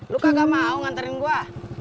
lu kakak mau nganterin gua